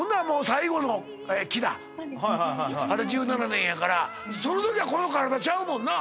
最後の方ですあれ１７年やからその時はこの体ちゃうもんな？